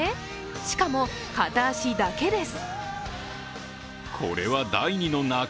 しかも片足だけです。